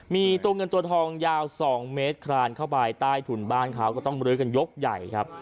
มีตัวเงินตัวทองยาว๒เมตรคลานเข้าไปใต้ถุนบ้านเขาก็ต้องลื้อกันยกใหญ่ครับ